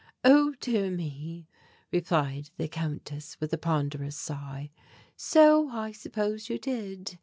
"Oh, dear me," replied the Countess, with a ponderous sigh, "so I suppose you did.